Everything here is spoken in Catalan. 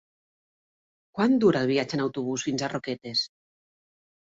Quant dura el viatge en autobús fins a Roquetes?